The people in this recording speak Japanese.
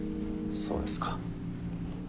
そうですか。